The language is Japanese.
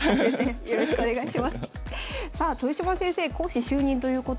よろしくお願いします。